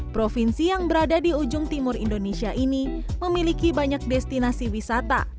provinsi yang berada di ujung timur indonesia ini memiliki banyak destinasi wisata